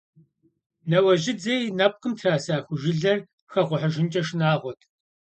Ныуэжьыдзэ и нэпкъым траса ху жылэр хэгъухьыжынкӏэ шынагъуэт.